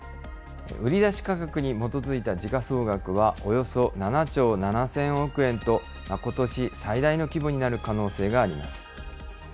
売り出し価格に基づいた時価総額はおよそ７兆７０００億円と、ことし最大の規模になる可能性があります。